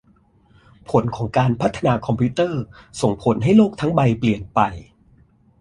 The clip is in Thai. ผลของการพัฒนาคอมพิวเตอร์ ส่งผลให้โลกทั้งใบเปลี่ยนไป